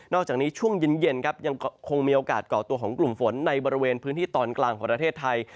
อกจากนี้ช่วงเย็นครับยังคงมีโอกาสก่อตัวของกลุ่มฝนในบริเวณพื้นที่ตอนกลางของประเทศไทย